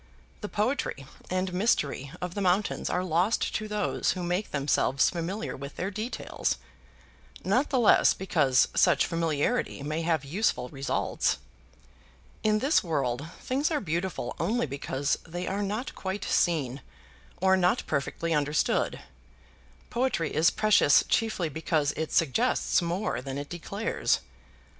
The poetry and mystery of the mountains are lost to those who make themselves familiar with their details, not the less because such familiarity may have useful results. In this world things are beautiful only because they are not quite seen, or not perfectly understood. Poetry is precious chiefly because it suggests more than it declares.